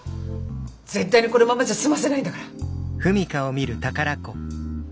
絶対にこのままじゃ済まさないんだから！